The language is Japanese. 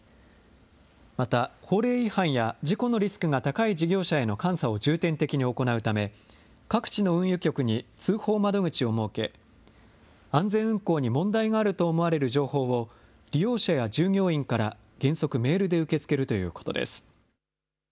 また、法令違反や事故のリスクが高い事業者への監査を重点的に行うため、各地の運輸局に通報窓口を設け、安全運航に問題があると思われる情報を利用者や従業員から原則メールで受け付けるということです。